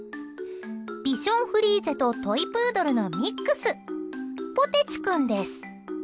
ビションフリーゼとトイプードルのミックスポテチ君です。